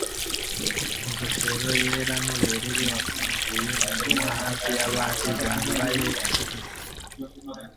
ingofero yera nubururu afunguye umunwa hafi yabandi bambaye kimwe